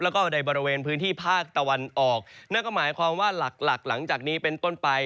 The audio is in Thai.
แล้วก็ในบริเวณพื้นที่ภาคตะวันออกนั่นก็หมายความว่าหลักหลักหลังจากนี้เป็นต้นไป